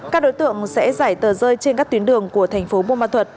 các đối tượng sẽ giải tờ rơi trên các tuyến đường của thành phố buôn ma thuật